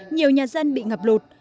nhiều nhà dân bị ngập lụt